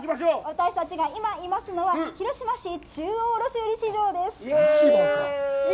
私たちが今いますのは、広島市中央卸売市場です。